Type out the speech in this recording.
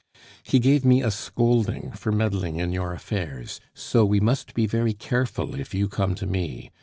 _" "He gave me a scolding for meddling in your affairs.... So we must be very careful if you come to me.